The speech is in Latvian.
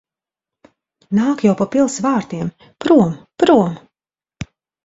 Nāk jau pa pils vārtiem. Prom! Prom!